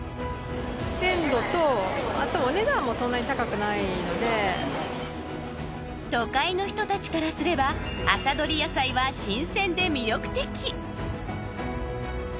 鮮度とあとお値段もそんなに高くないので都会の人たちからすれば「朝採り野菜」は新鮮で魅力的！